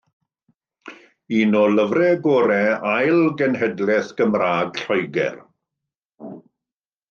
Un o lyfrau gorau ail genhedlaeth Gymraeg Lloegr.